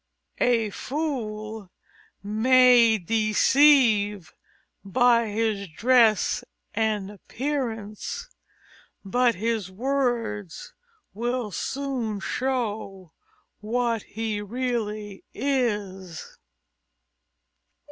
_A fool may deceive by his dress and appearance, but his words will soon show what he really is.